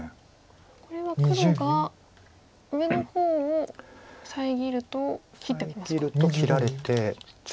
これは黒が上の方を遮ると切ってきますか。